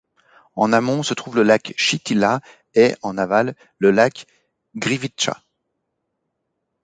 En amont, se trouve le lac Chitila et, en aval, le Lac Griviţa.